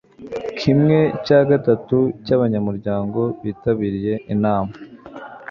Kimwe cya gatatu cyabanyamuryango bitabiriye inama.